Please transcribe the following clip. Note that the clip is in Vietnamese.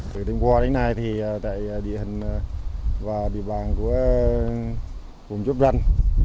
từ đêm qua đến nay thì tại địa hình và địa bàn của vùng chốt răn